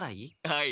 はい。